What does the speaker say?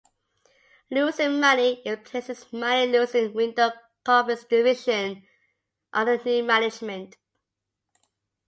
Losing money, it placed its money losing window coverings division under new management.